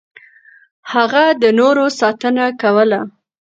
هغه د نورو ساتنه کوله.